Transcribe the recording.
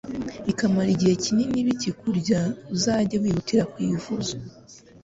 bikamara igihe kinini bikikurya uzajye wihutira kwivuza